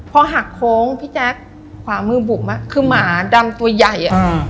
พอหักโค้งพี่แจ๊คขวามือบุ๋มอ่ะคือหมาดำตัวใหญ่